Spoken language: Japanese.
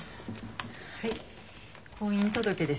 はい。